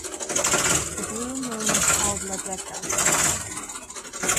The Blue Moon is called Ladeca.